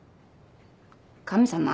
神様？